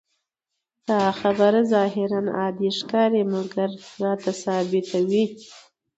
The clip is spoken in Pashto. دا خبره ظاهراً عادي ښکاري، مګر راته ثابتوي.